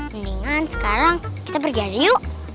mendingan sekarang kita pergi yuk